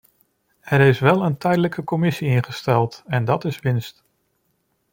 Er is wel een tijdelijke commissie ingesteld en dat is winst.